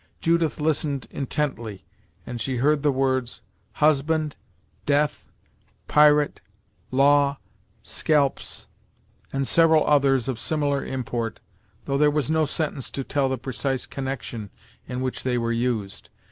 Judith listened intently, and she heard the words "husband" "death" "pirate" "law" "scalps" and several others of similar import, though there was no sentence to tell the precise connection in which they were used.